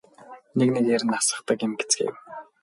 Нэг нэгээр нь асгадаг юм гэцгээв.